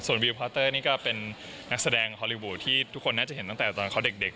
วิวพอสเตอร์นี่ก็เป็นนักแสดงฮอลลีวูดที่ทุกคนน่าจะเห็นตั้งแต่ตอนเขาเด็ก